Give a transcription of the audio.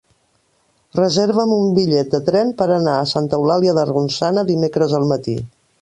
Reserva'm un bitllet de tren per anar a Santa Eulàlia de Ronçana dimecres al matí.